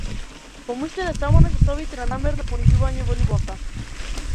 Помислете само на часовите на намерно понижување во љубовта!